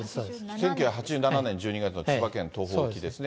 １９８７年１２月の千葉県東方沖ですね。